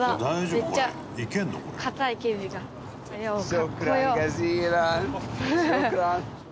かっこよ。